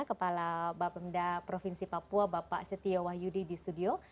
kepala bapemda provinsi papua bapak setia wahyudi di studio